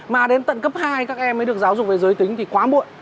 mà đến tận cấp hai các em mới được giáo dục về giới tính thì quá muộn